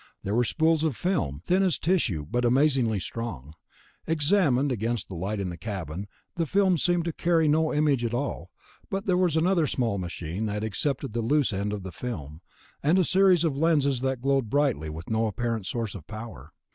There were spools of film, thin as tissue but amazingly strong. Examined against the light in the cabin, the film seemed to carry no image at all ... but there was another small machine that accepted the loose end of the film, and a series of lenses that glowed brightly with no apparent source of power.